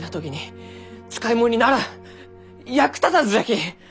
役立たずじゃき！